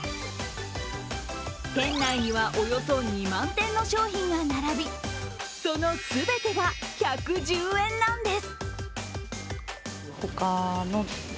店内にはおよそ２万点の商品が並びその全てが１１０円なんです。